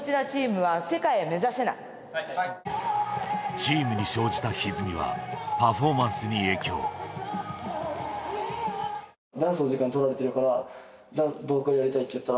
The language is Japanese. チームに生じたひずみはパフォーマンスに影響歌。